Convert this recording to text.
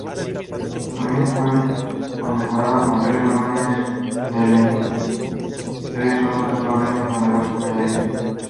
Zorin fue condecorado con tres Órdenes de Lenin, tres otras órdenes y numerosas medallas.